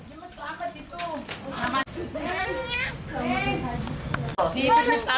dia selamat itu